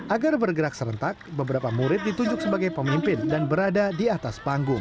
agar bergerak serentak beberapa murid ditunjuk sebagai pemimpin dan berada di atas panggung